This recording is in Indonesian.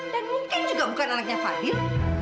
dan mungkin juga bukan anaknya fadil